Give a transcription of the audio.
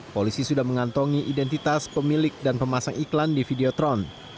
polisi sudah mengantongi identitas pemilik dan pemasang iklan di videotron